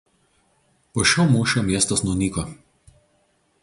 Po šio mūšio miestas nunyko.